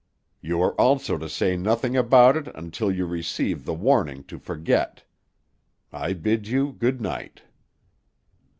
You are also to say nothing about it until you receive the warning to forget. I bid you good night."